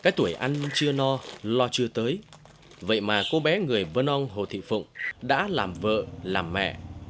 cái tuổi ăn chưa no lo chưa tới vậy mà cô bé người vợ ông hồ thị phụng đã làm vợ làm mẹ